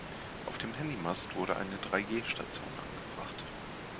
Auf dem Handymast wurde eine drei-G-Station angebracht.